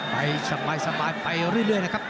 ไปสบายไปเรื่อยนะครับ